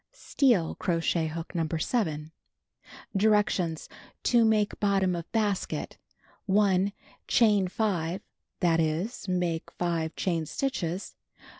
Steel crochet hook No. 7. Directions: To Make Bottom of Basket: 1. Chain 5; that is, make 5 chain stitches.